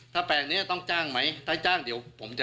ถ้าแปลงนี้ต้องจ้างไหมถ้าจ้างเดี๋ยวผมจะ